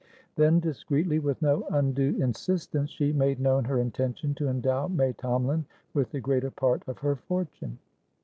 Then, discreetly, with no undue insistence, she made known her intention to endow May Tomalin with the greater part of her fortune.